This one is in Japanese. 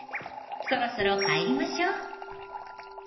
そろそろ帰りましょう。